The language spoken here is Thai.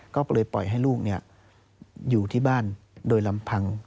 ก็เลยปล่อยให้ลูกอยู่ที่บ้านโดยลำพัง